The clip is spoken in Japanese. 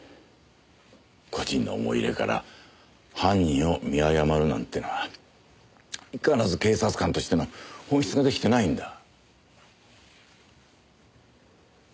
個人の思い入れから犯人を見誤るなんてのは相変わらず警察官としての本質が出来てないんだ。